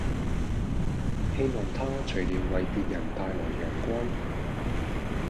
希望他除了為別人帶來陽光